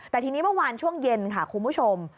แต่ทีนี้เมื่อวานช่วงเย็นค่ะคุณผู้ชม